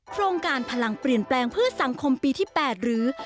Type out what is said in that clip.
โครงการพลังเปลี่ยนแปลงเพื่อสังคมปีที่๘หรือ